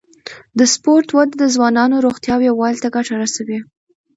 د سپورت وده د ځوانانو روغتیا او یووالي ته ګټه رسوي.